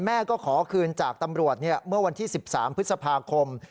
แม่ก็ขอคืนจากตำรวจเมื่อวันที่๑๓พฤษภาคม